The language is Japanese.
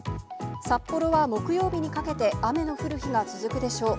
札幌は木曜日にかけて雨の降る日が続くでしょう。